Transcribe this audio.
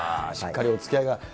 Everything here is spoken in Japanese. しっかりおつきあいが。